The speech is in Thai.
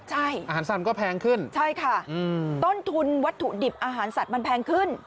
ใช่อาหารสัตว์ก็แพงขึ้นใช่ค่ะต้นทุนวัตถุดิบอาหารสัตว์มันแพงขึ้น